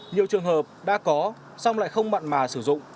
nhiều trường hợp đã có xong lại không mặn mà sử dụng